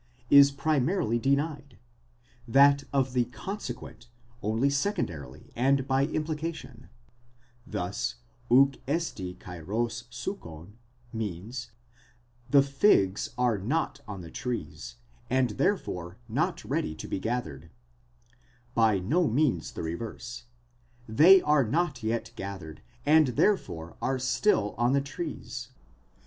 is primarily denied, that of the conseguent only secondarily and by implication ; thus οὐκ ἔστι καιρὸς σύκων, means: the figs are not on the trees, and therefore not ready to be gathered ; by no means the reverse: they are not yet gathered, and therefore are still on the trees.